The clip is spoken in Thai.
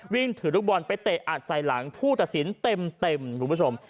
วิ่งถือลูกบอลไปเตะอัดใส่หลังผู้ตัดสินเต็มคุณผู้ชม